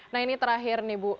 nah ini terakhir nih bu